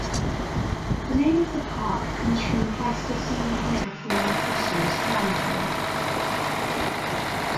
The name of the park comes from the Pleistocene megafauna fossils found there.